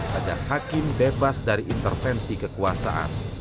agar hakim bebas dari intervensi kekuasaan